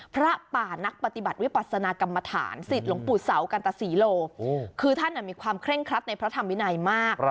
พระป่านักปฏิบัติวิปัสนากรรมฐานสิทธิ์หลวงปู่เสากันตศรีโลคือท่านมีความเคร่งครัดในพระธรรมวินัยมาก